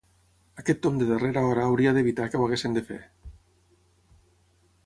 Aquest tomb de darrera hora hauria d’evitar que ho haguessin de fer.